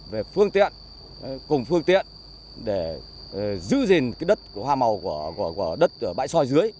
về phương tiện cùng phương tiện để giữ gìn đất hoa màu của đất ở bãi soi dưới